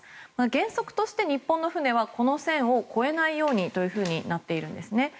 原則として日本の船はこの線を越えないようにとなっているんですね。